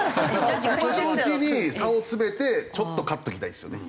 今のうちに差を詰めてちょっと勝っときたいですよね。